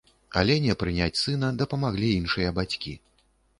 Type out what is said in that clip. Алене прыняць сына дапамаглі іншыя бацькі.